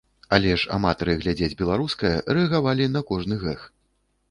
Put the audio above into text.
Але ж аматары глядзець беларускае рэагавалі на кожны гэг.